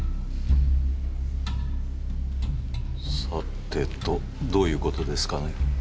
さてとどういうことですかね？